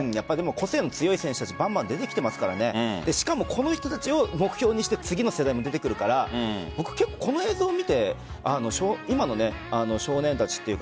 個性の強い選手たちがバンバン出てきていますからしかも、この人たちを目標にして次の世代も出てくるからこの映像を見て今の少年たちというか